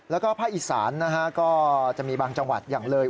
แล้วก็พระอิศ่านก็จะมีบางจังหวัดอย่างเลย